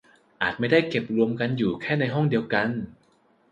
อาจจะไม่ได้เก็บรวมกันอยู่แค่ในห้องห้องเดียว